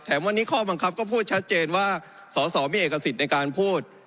วันนี้ข้อบังคับก็พูดชัดเจนว่าสอสอมีเอกสิทธิ์ในการพูด